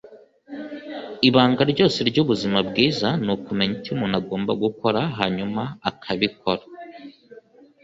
"ibanga ryose ry'ubuzima bwiza ni ukumenya icyo umuntu agomba gukora, hanyuma akabikora."